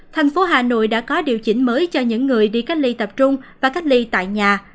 thành phố hà nội đã có điều chỉnh mới cho những người đi cách ly tập trung và cách ly tại nhà